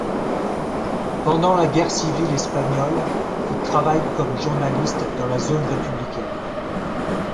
Pendant la guerre civile espagnole, il travaille comme journaliste dans la zone républicaine.